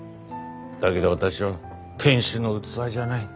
だけど私は店主の器じゃない。